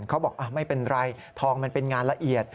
เขาบอกไม่เป็นไรทองมันเป็นงานละเอียด